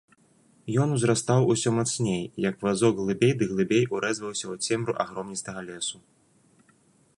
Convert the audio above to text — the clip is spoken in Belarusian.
Ён узрастаў усё мацней, як вазок глыбей ды глыбей урэзваўся ў цемру агромністага лесу.